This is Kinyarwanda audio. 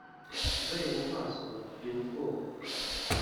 ndoye mu maso ngira ubwoba :